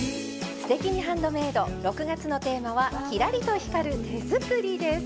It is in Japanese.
「すてきにハンドメイド」６月のテーマは「キラリと光る手作り」です。